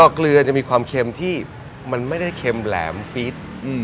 เกลือจะมีความเค็มที่มันไม่ได้เค็มแหลมฟีด